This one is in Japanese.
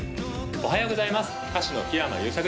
おはようございます